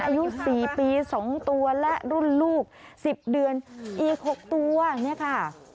อายุ๔ปี๒ตัวและรุ่นลูก๑๐เดือนอีก๖ตัวเนี่ยค่ะ